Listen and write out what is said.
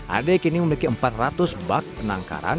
ade kini memiliki empat ratus bak penangkaran